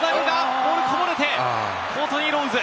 ボールはこぼれて、コートニー・ロウズ。